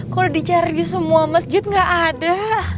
kok udah dicari di semua masjid nggak ada